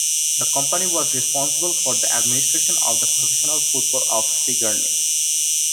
The company was responsible for the administration of the professional football of Figueirense.